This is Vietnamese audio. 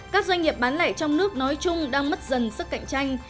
các doanh nghiệp bán lẻ trong nước nói chung đang mất dần sức cạnh tranh